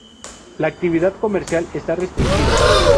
La actividad comercial está restringida.